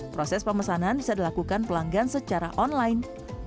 proses pemesanan bisa dilakukan pelanggan secara online